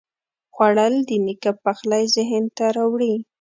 خوړل د نیکه پخلی ذهن ته راوړي